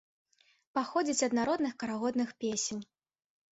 Паходзіць ад народных карагодных песень.